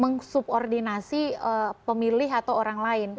meng subordinasi pemilih atau orang lain